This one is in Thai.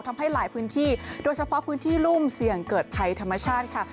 ทำให้หลายพื้นที่โดยเฉพาะพื้นที่รุ่มเสี่ยงเกิดภัยธรรมชาติค่ะ